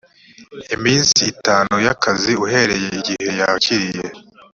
iminsi itanu y akazi uhereye igihe yakiriye